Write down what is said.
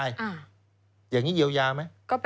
อย่างนี้เยียวยาไหม